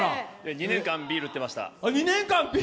２年間ビール売ってました。